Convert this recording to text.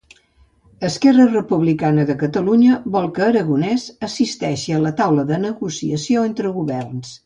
Esquerra Republicana Catalunya vol que Aragonès assisteixi a la taula de negociació entre governs